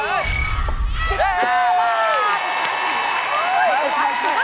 ๑๕บาท